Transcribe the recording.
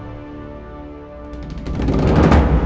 ini kotor gara gara aku